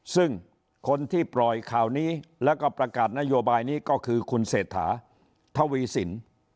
ซึ่งคนที่ปล่อยข่าวนี้แล้วก็ประกาศนโยบายนี้ก็คือคุณเศรษฐาทวีสิน